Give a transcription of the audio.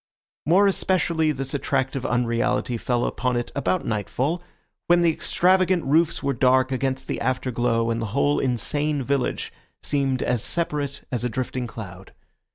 More especially this attractive unreality fell upon it about nightfall, when the extravagant roofs were dark against the afterglow and the whole insane village seemed as separate as a drifting cloud.